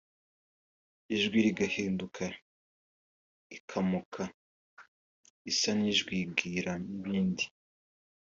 ijwi rigahinduka ikamoka isa n’ijwigira n’ibindi